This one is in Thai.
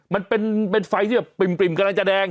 มันเป็นไฟที่แบบปริ่มกำลังจะแดง